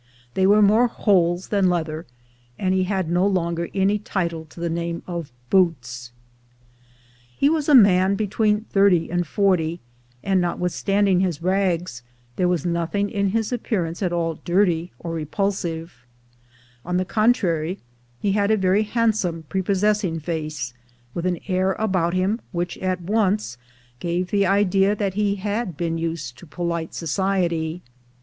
They were more holes than leather, and had no longer any title to the name of boots. He was a man between thirty and forty, and, not withstanding his rags, there was nothing in his ap pearance at all dirty or repulsive; on the contrary, he had a very handsome, prepossessing face, with an air about him which at once gave the idea that he had been used to polite society.